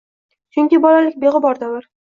Chunki bolalik beg‘ubor davr.